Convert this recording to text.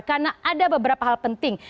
karena ada beberapa hal penting